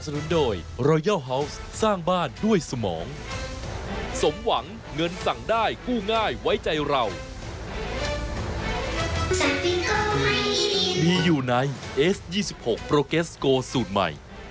ทุวิทตีสากหน้า